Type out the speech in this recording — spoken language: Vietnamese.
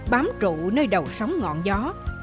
bám trụ nơi đầu sóng ngọn gió